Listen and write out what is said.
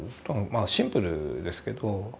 まあシンプルですけど。